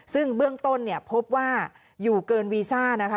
ซึ่งเบื้องต้นเนี่ยพบว่าอยู่เกินวีซ่านะคะ